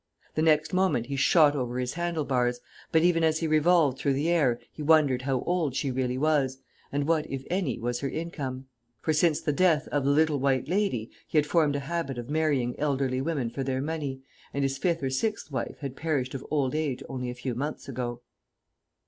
The next moment he shot over his handle bars; but even as he revolved through the air he wondered how old she really was, and what, if any, was her income. For since the death of the Little White Lady he had formed a habit of marrying elderly women for their money, and his fifth or sixth wife had perished of old age only a few months ago.